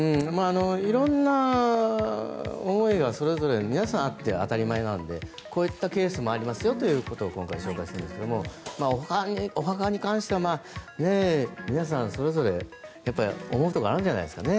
色んな思いがそれぞれ皆さんあって当たり前なのでこういったケースもありますよということを今回、紹介したんですけどもお墓に関しては皆さん、それぞれ思うところがあるんじゃないですかね。